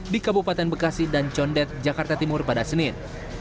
di kabupaten bekasi dan condet jakarta timur pada senin